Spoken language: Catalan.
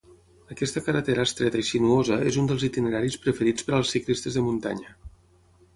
Aquesta carretera estreta i sinuosa es un dels itineraris preferits per als ciclistes de muntanya.